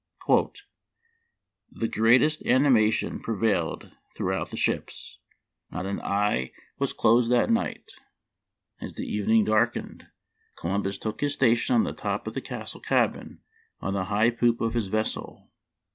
—" The greatest animation prevailed throughout the ships ; not an eye was 11 1 62 Memoir of Washington Irving. closed that night. As the evening darkened, Columbus took his station on the top of the castle cabin on the high poop of his vessel.